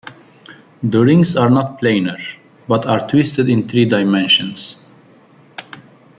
The rings are not planar, but are twisted in three dimensions.